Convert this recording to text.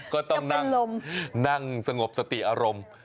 ก็ต้องนั่งสงบสติอารมณ์